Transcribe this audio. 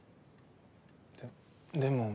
ででも。